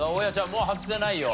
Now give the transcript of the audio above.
もう外せないよ。